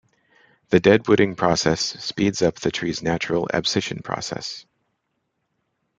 The deadwooding process speeds up the tree's natural abscission process.